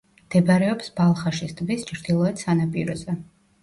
მდებარეობს ბალხაშის ტბის ჩრდილოეთ სანაპიროზე.